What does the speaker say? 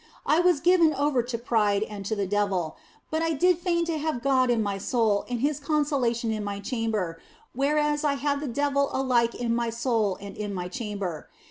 I was given over to pride and to the devil, but I did feign to have God in my soul and His consolation in my chamber, whereas I had the devil alike in my soul and in my chamber.